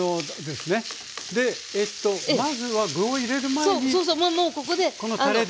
でまずは具を入れる前にこのたれで。